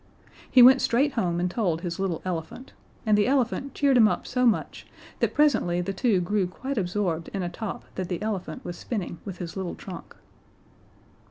He went straight home and told his little elephant; and the elephant cheered him up so much that presently the two grew quite absorbed in a top that the elephant was spinning with his little trunk.